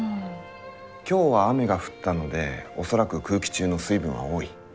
今日は雨が降ったので恐らく空気中の水分は多い。